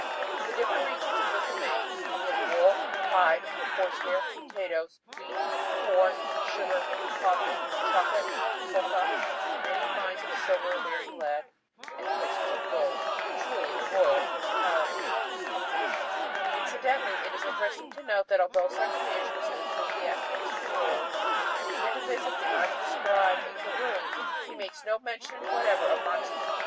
In the different regions of his domain he has wool, hides, horsehair, potatoes, wheat, corn, sugar, coffee, chocolate, coca, many mines of silver bearing lead, and placers of gold." Truly a royal principality. FIGURE Huadquiña Incidentally it is interesting to note that although Sartiges was an enthusiastic explorer, eager to visit undescribed Inca ruins, he makes no mention whatever of Machu Picchu.